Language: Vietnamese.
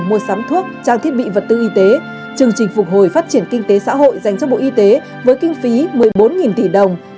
mua sắm thuốc trang thiết bị vật tư y tế chương trình phục hồi phát triển kinh tế xã hội dành cho bộ y tế với kinh phí một mươi bốn tỷ đồng